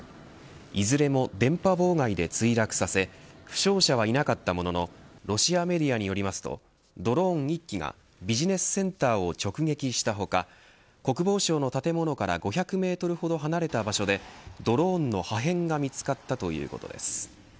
いずれも電波妨害で墜落させ負傷者はいなかったもののロシアメディアによりますとドローン１機がビジネスセンターを直撃した他国防省の建物から５００メートルほど離れた場所でドローンの破片が見つかったということです。